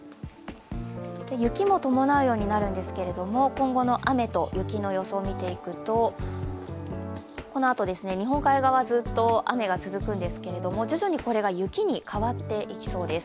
雪も伴うようになるんですけれども今後の雨と雪の予想を見ていくとこのあと、日本海側ずっと雨が続くんですけど徐々にこれが雪に変わっていきそうです。